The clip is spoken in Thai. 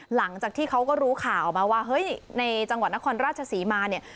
หลังจากที่เขาก็รู้ข่าวออกมาว่าเฮ้ยในจังหวัดนครราชศรีมาเนี่ย